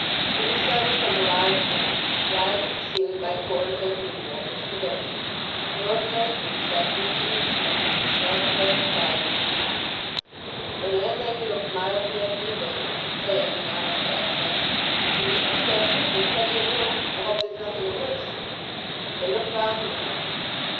In the settles of the large room, guyed to the ceiling by cords as usual for stability, an ordinary group sat drinking and smoking with statuesque quiet of demeanour. The landlady looked mildly at the invaders, saying in honest accents, "Good evening, gentlemen; there's plenty of room. I hope there's nothing amiss?" They looked round the room.